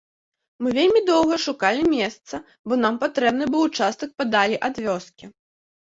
Мы вельмі доўга шукалі месца, бо нам патрэбны быў участак падалей ад вёскі.